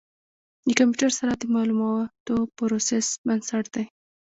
د کمپیوټر سرعت د معلوماتو د پروسس بنسټ دی.